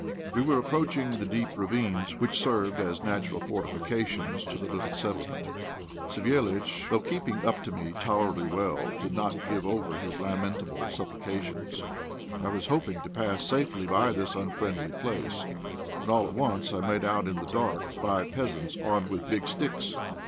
We were approaching the deep ravines which served as natural fortifications to the little settlement. Savéliitch, though keeping up to me tolerably well, did not give over his lamentable supplications. I was hoping to pass safely by this unfriendly place, when all at once I made out in the dark five peasants, armed with big sticks.